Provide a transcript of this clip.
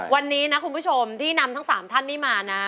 วันนี้นะคุณผู้ชมที่นำทั้ง๓ท่านนี้มานะ